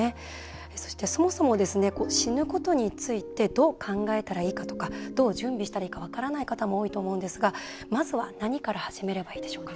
そしてそもそも死ぬことについてどう考えたらいいかとかどう準備したらいいか分からない方も多いと思うんですが、まずは何から始めればいいでしょうか。